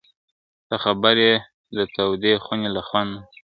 ته خبر یې د تودې خوني له خونده؟ !.